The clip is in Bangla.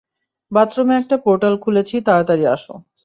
বাথরুমে একটা পোর্টাল খুলেছি, তাড়াতাড়ি আসো!